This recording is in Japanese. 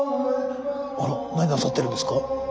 あら何なさってるんですか？